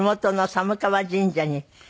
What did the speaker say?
寒川神社。